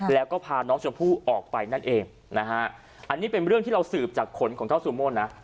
แล้วก็พาน้องชมพู่ออกไปนั่นเองนะฮะอันนี้เป็นเรื่องที่เราสืบจากขนของเจ้าซูโม่นนะ